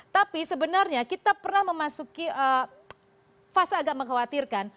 tapi sebenarnya kita pernah memasuki fase agak mengkhawatirkan